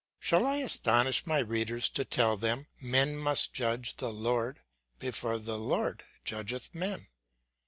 Shall I astonish my readers to tell them, men must judge the Lord, before the Lord judgeth men